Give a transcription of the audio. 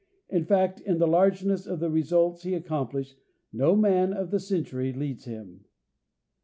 In fact, in the largeness of the results he accom plished, no man of the century leads him."